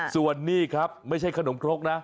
ส่วนนี่ครับไม่ใช่ขนมครกนะ